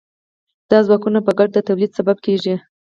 دا ځواکونه په ګډه د تولید سبب کیږي.